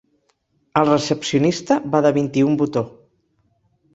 El recepcionista va de vint-i-un botó.